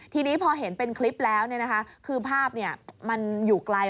ทีนี้พอเห็นเป็นคลิปแล้วคือภาพมันอยู่ไกล